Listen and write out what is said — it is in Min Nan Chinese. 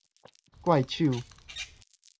怪手